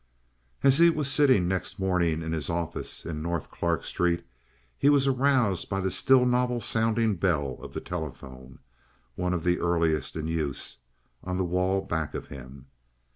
As he was sitting next morning in his office in North Clark Street he was aroused by the still novel sounding bell of the telephone—one of the earliest in use—on the wall back of him.